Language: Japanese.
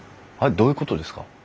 どういうことですか？